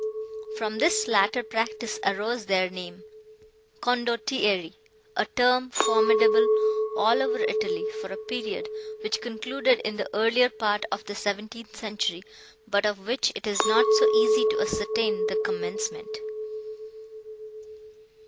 From this latter practice arose their name—Condottieri; a term formidable all over Italy, for a period, which concluded in the earlier part of the seventeenth century, but of which it is not so easy to ascertain the commencement.